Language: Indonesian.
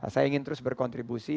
saya ingin terus berkontribusi